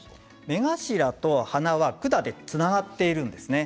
目頭と鼻は管でつながっているんですね。